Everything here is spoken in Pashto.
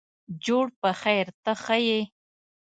جوړ په خیرته ښه یې.